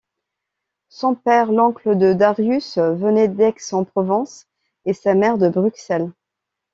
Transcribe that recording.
Son père, l'oncle de Darius, venait d'Aix-en-Provence, et sa mère de Bruxelles.